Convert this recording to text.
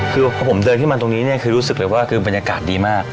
คือพอผมเดินขึ้นมาตรงนี้ที่รู้สึกว่าบรรยากาศดีมาก